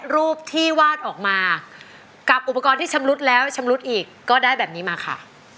รูปที่วาดออกมากับอุปกรณ์ที่ชำรุดแล้วชำรุดอีกก็ได้แบบนี้มาค่ะ